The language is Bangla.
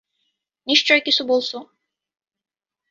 নিশ্চয় কিছু বলছো?